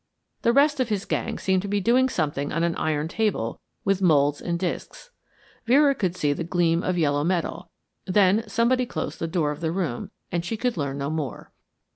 The rest of his gang seemed to be doing something on an iron table with moulds and discs. Vera could see the gleam of yellow metal, then somebody closed the door of the room and she could learn no more.